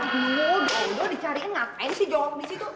dode dode dicarikan ngapain sih jorok di situ